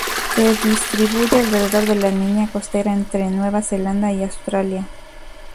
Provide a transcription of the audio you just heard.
Se distribuye alrededor de la línea costera entre Nueva Zelanda y Australia.